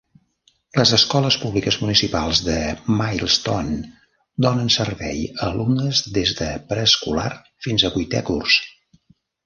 Les escoles públiques municipals de Millstone donen servei a alumnes des de preescolar fins a vuitè curs.